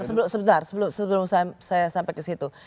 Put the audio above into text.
sebentar sebentar sebelum saya sampai ke situ